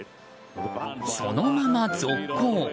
そのまま続行。